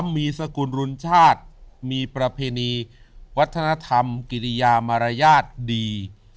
มีสกุลรุนชาติมีประเพณีวัฒนธรรมกิริยามารยาทดี